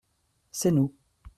C’est nous.